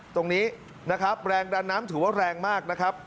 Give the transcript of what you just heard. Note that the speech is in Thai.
ตรงนี้นะครับแรงดันน้ำถือว่าแรงมากนะครับ